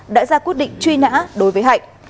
đã ra quyết định truy nã đối với hạnh